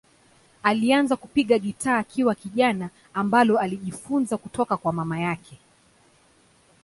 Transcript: Alianza kupiga gitaa akiwa kijana, ambalo alijifunza kutoka kwa mama yake.